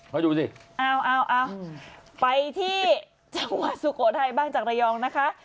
มาดูสิเอาเอาไปที่จังหวัดสุโขทัยบ้างจากระยองนะคะ